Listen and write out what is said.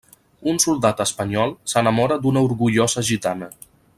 Un soldat espanyol s'enamora d'una orgullosa gitana.